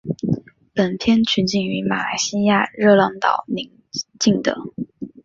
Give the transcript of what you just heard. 本片取景于马来西亚热浪岛邻近的。